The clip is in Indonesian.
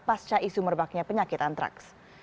pasca isu merebaknya penyakit antraks